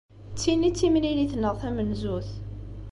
D tin i d timlilit-nneɣ tamenzut.